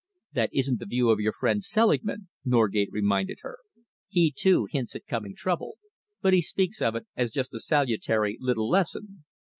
"That isn't the view of your friend Selingman," Norgate reminded her. "He, too, hints at coming trouble, but he speaks of it as just a salutary little lesson."